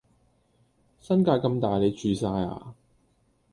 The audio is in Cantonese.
新界咁大你住曬呀！